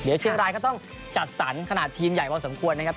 เดี๋ยวเชียงรายก็ต้องจัดสรรขนาดทีมใหญ่พอสมควรนะครับ